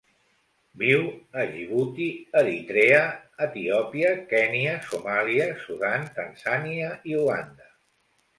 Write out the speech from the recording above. Viu a Djibouti, Eritrea, Etiòpia, Kenya, Somàlia, Sudan, Tanzània i Uganda.